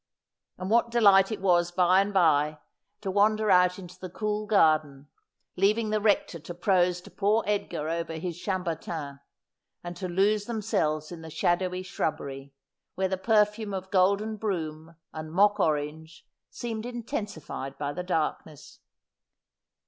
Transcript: And what delight it was by and by to wander out into the 144 Asphodel. cool garden, leaving the Kector to prose to poor Edgar over his Chambertin, and to lose themselves in the shadowy shrub bery, where the perfume of golden broom and mock orange seemed intensified by the darkness.